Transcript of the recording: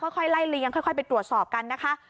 ค่อยไล่เลี้ยค่อยไปตรวจสอบกันนะคะ